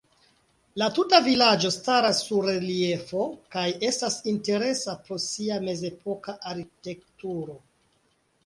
La tuta vilaĝo staras sur reliefo kaj estas interesa pro sia mezepoka arkitekturo.